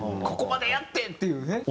ここまでやってっていうね。